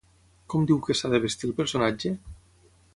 Com diu que s'ha de vestir el personatge?